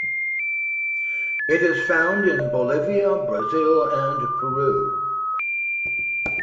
It is found in Bolivia, Brazil and Peru.